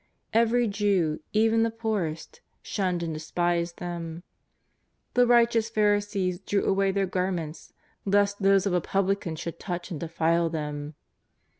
Every Jew, even the poorest, shunned and de spised them. The righteous Pharisees drew away theii garments lest those of a publican should touch and de file them.